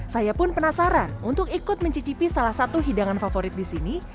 saya pun penasaran untuk ikut mencicipi salah satu hidangan favorit di sini